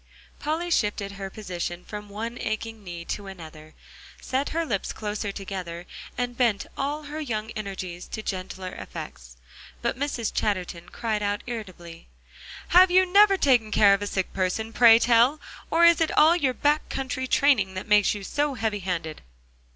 Polly shifted her position from one aching knee to another, set her lips closer together, and bent all her young energies to gentler effects. But Mrs. Chatterton cried out irritably: "Have you never taken care of a sick person, pray tell, or is it all your back country training that makes you so heavy handed?"